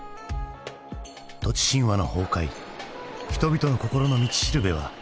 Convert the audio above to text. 土地神話の崩壊人々の心の道しるべはどこに。